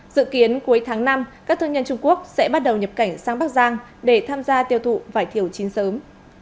dự kiến cuối tháng năm các thương nhân trung quốc sẽ bắt đầu nhập cảnh sang bắc giang để tham gia tiêu thụ vải thiều chín sớm